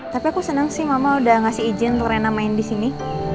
tapi aku senang sih mama udah ngasih izin untuk rena main di sini